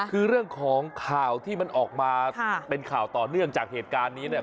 คือเรื่องของข่าวที่มันออกมาเป็นข่าวต่อเนื่องจากเหตุการณ์นี้เนี่ย